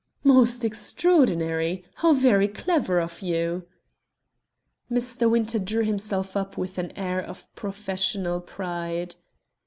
"Most extraordinary! How very clever of you!" Mr. Winter drew himself up with an air of professional pride.